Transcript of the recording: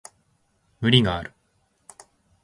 無理がある